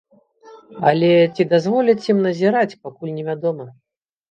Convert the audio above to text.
Але ці дазволяць ім назіраць, пакуль невядома.